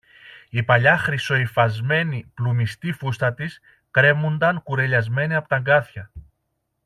Η παλιά χρυσοϋφασμένη πλουμιστή φούστα της κρέμουνταν κουρελιασμένη από τ' αγκάθια